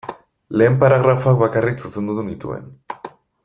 Lehen paragrafoak bakarrik zuzendu nituen.